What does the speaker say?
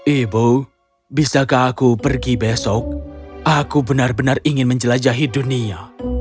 ibu bisakah aku pergi besok aku benar benar ingin menjelajahi dunia